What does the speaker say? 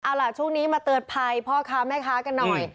เอาล่ะช่วงนี้มาเตือนภัยพ่อค้าแม่ค้ากันหน่อย